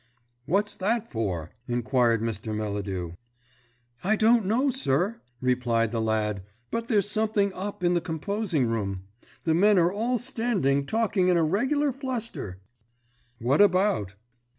"What's that for?" inquired Mr. Melladew. "I don't know, sir," replied the lad; "but there's something 'up' in the composing room. The men are all standing talking in a regular fluster." "What about?"